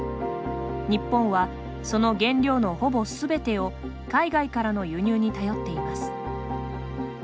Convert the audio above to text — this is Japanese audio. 日本は、その原料のほぼ全てを海外からの輸入に頼っています。